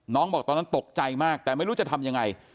บอกตอนนั้นตกใจมากแต่ไม่รู้จะทำยังไง